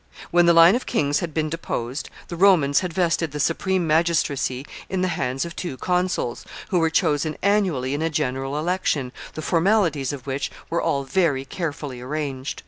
When the line of kings had been deposed, the Romans had vested the supreme magistracy in the hands of two consuls, who were chosen annually in a general election, the formalities of which were all very carefully arranged.